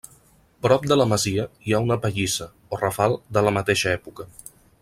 Prop de la masia hi ha una pallissa, o rafal, de la mateixa època.